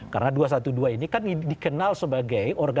karena dua ratus dua belas ini kan dikenal sebagai